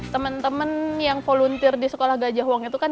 teman teman yang volunteer di sekolah gajah wong itu kan